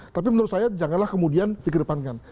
tapi menurut saya janganlah kemudian di kedepankan